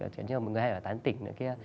chẳng như là mọi người hay là tán tỉnh nữa kia